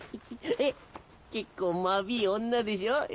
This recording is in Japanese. えっ結構まびい女でしょ？え？